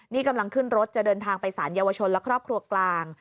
นี่กำลังขึ้นรถจะเดินทางไปสารเยาวชนและครอบครัวกลาง